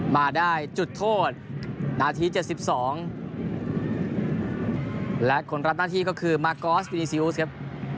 มาได้จุดโทษนาธีเจ็ดสิบสองและคนรับนาธีก็คือมากอสพินีเซียุสครับ